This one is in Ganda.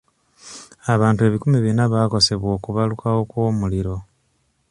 Abantu ebikumi bina baakosebwa okubalukawo kw'omuliro.